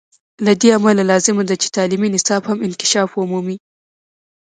له دې امله لازمه ده چې تعلیمي نصاب هم انکشاف ومومي.